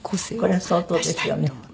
これは相当ですよね。